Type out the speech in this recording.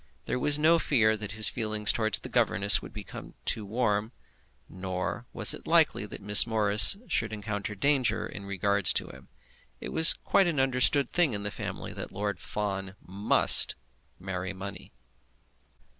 There was no fear that his feelings towards the governess would become too warm; nor was it likely that Miss Morris should encounter danger in regard to him. It was quite an understood thing in the family that Lord Fawn must marry money.